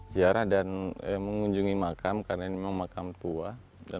ziarah dan mengunjungi makam karena ini memang makam tua